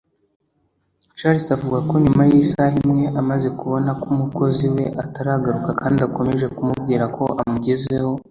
Charles avuga ko nyuma y’isaha imwe amaze kubona ko umukozi we ataragaruka kandi akomeje kumubwira ko amugezeho